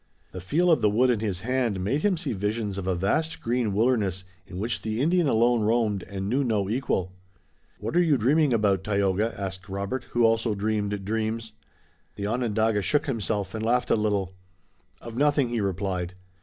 The feel of the wood in his hand made him see visions of a vast green wilderness in which the Indian alone roamed and knew no equal. "What are you dreaming about, Tayoga?" asked Robert, who also dreamed dreams. The Onondaga shook himself and laughed a little. "Of nothing," he replied.